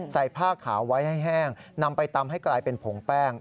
ผ้าขาวไว้ให้แห้งนำไปตำให้กลายเป็นผงแป้ง